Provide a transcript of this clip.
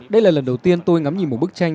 đây là lần đầu tiên tôi ngắm nhìn một bức tranh